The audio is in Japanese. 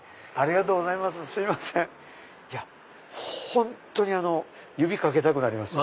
本当に指かけたくなりますよ。